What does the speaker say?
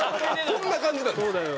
こんな感じなんですよ。